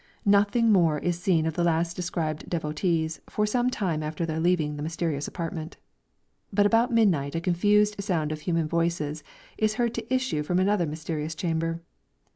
Nothing more is seen of the last described devotees, for some time after their leaving the mysterious apartment; but about midnight a confused sound of human voices is heard to issue from another mysterious chamber.